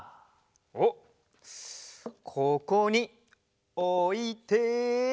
おっここにおいて。